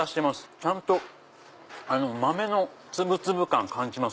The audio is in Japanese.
ちゃんと豆の粒々感感じます